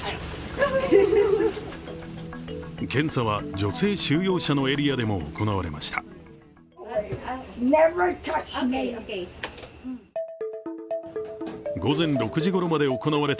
検査は女性収容者のエリアでも行われました。